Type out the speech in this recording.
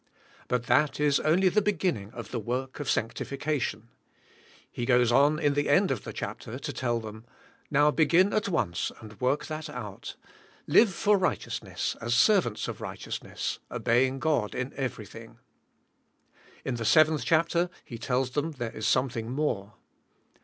But that is only the begin ning of the work of sanctifi cation. He goes on in the end of the chapter to tell them. Now begin at once and work that out; live for righteousness, as servants of righteousness, obeying God in every thing. In the seventh chapter he tells them there is something more.